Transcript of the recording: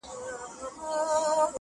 ارمانه اوس درنه ښكلا وړي څوك’